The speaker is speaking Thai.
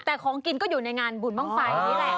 แต่ของกินก็อยู่ในงานบุรรณ์บั้งไฟนี่แหละค่ะ